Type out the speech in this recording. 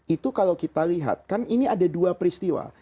itu kalau kita lihat kan ini ada dua peristiwa